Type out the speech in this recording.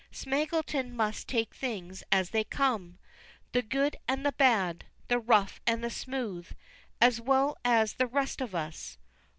Smaggleton must take things as they come the good and the bad, the rough and the smooth as well as the rest of us.